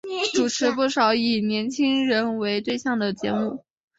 主持不少以年青人为对象的节目。